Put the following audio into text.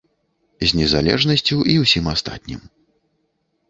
З незалежнасцю і ўсім астатнім.